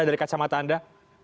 dari kacamata anda